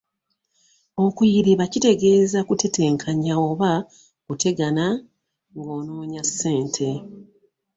Okuyiriba kitegeeza kutetenkanya oba kutegana ng'onoonya ssente.